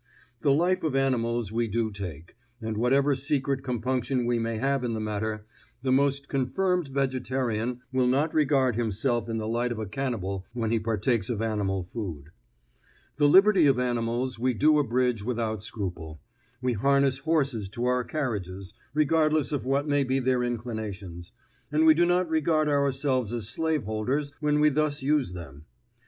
The life of animals we do take, and whatever secret compunction we may have in the matter, the most confirmed vegetarian will not regard himself in the light of a cannibal when he partakes of animal food. The liberty of animals we do abridge without scruple; we harness horses to our carriages, regardless of what may be their inclinations, and we do not regard ourselves as slaveholders when we thus use them.